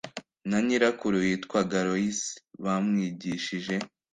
na nyirakuru witwaga Loyisi bamwigishije